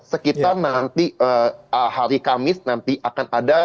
sekitar nanti hari kamis nanti akan ada